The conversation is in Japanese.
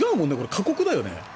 過酷だよね。